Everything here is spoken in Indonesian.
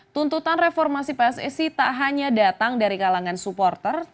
tuntutan reformasi pssi tak hanya datang dari kalangan supporter